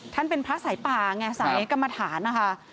ท่านเป็นพระสายป่าไงสายกรรมฐานนะคะ